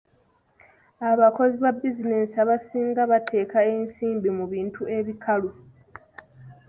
Abakozi ba bizinensi abasinga bateeka ensimbi mu bintu ebikalu.